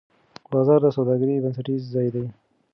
بازار د سوداګرۍ بنسټیز ځای دی.